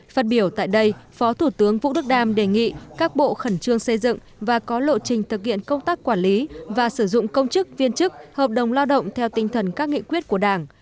phát biểu tại đây phó thủ tướng vũ đức đam đề nghị các bộ khẩn trương xây dựng và có lộ trình thực hiện công tác quản lý và sử dụng công chức viên chức hợp đồng lao động theo tinh thần các nghị quyết của đảng